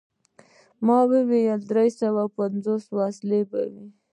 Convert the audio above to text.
ما وویل: دری سوه پنځوس وسلې به وي.